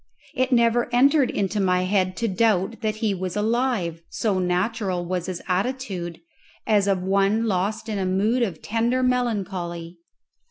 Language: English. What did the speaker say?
It never entered into my head to doubt that he was alive, so natural was his attitude, as of one lost in a mood of tender melancholy.